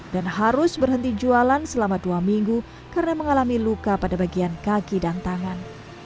dan harus berhenti jualan selama dua minggu karena mengalami luka pada bagian kaki dan tangan